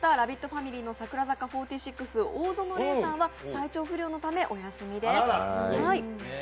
ファミリーの櫻坂４６、大園玲さんは体調不良のため、お休みです。